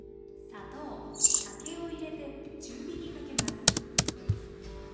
砂糖酒を入れて中火にかけます。